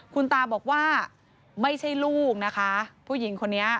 คุณตาบอกว่าไม่ใช่ลูกนะคะผู้หญิงคนนี้